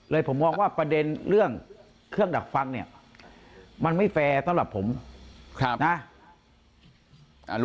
ผมมองว่าประเด็นเรื่องเครื่องดักฟังเนี่ยมันไม่แฟร์สำหรับผมนะ